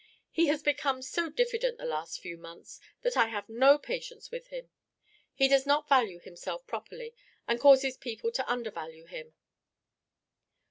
He has become so diffident the last few months that I have no patience with him! He does not value himself properly, and causes people to undervalue him."